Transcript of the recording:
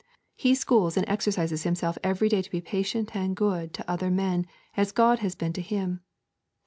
He schools and exercises himself every day to be patient and good to other men as God has been to him.